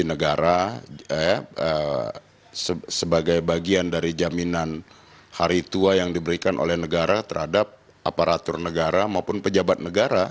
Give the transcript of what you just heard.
jadi negara sebagai bagian dari jaminan hari tua yang diberikan oleh negara terhadap aparatur negara maupun pejabat negara